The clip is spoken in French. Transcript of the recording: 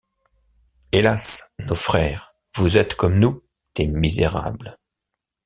Hélas! nos frères, vous êtes comme nous « des Misérables ».